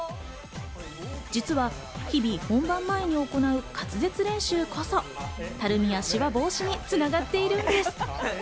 実は日々、本番前に行う滑舌練習こそたるみやしわ防止につながっているんです。